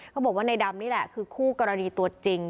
เขาบอกว่าในดำนี่แหละคือคู่กรณีตัวจริง